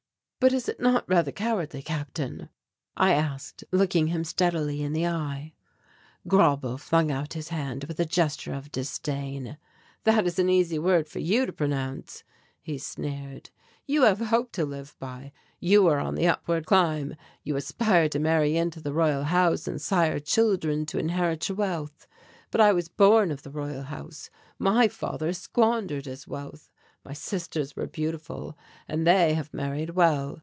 "But is it not rather cowardly, Captain?" I asked, looking him steadily in the eye. Grauble flung out his hand with a gesture of disdain. "That is an easy word for you to pronounce," he sneered. "You have hope to live by, you are on the upward climb, you aspire to marry into the Royal House and sire children to inherit your wealth. But I was born of the Royal House, my father squandered his wealth. My sisters were beautiful and they have married well.